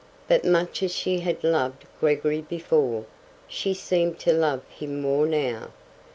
But much as she had loved Gregory before, she seemed to love him more now.